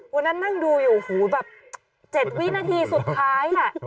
วันนั้นนั่งดูอยู่หูแบบ๗วินาทีสุดท้าย